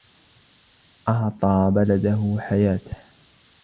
أعطى بلده حياته.